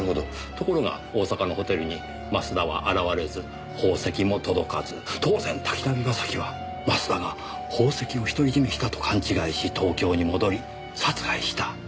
ところが大阪のホテルに増田は現れず宝石も届かず当然滝浪正輝は増田が宝石を独り占めしたと勘違いし東京に戻り殺害した。